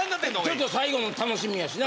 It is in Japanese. ちょっと最後も楽しみやしな。